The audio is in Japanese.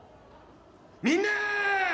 みんなー！